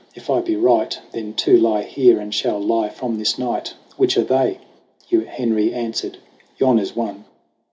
If I be right, Then two lie here and shall lie from this night. Which are they?" Henry answered : "Yon is one."